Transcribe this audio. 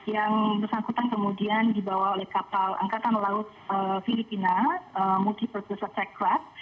yang bersangkutan kemudian telah diatur keluar dari wilayah zamuanga oleh keduduk italia